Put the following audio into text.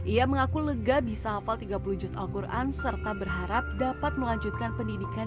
ia mengaku lega bisa hafal tiga puluh juz al quran serta berharap dapat melanjutkan pendidikan